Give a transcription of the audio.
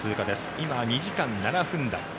今、２時間７分台。